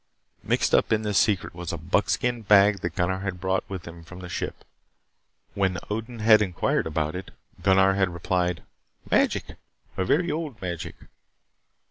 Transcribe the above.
Mixed up in this secret was a buckskin bag that Gunnar had brought with him from the ship. When Odin had inquired about it, Gunnar had replied: "Magic. A very old magic."